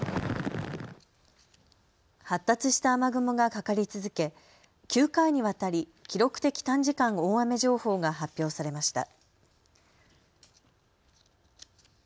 発達した雨雲がかかり続け９回にわたり記録的短時間大雨情報が発表されました。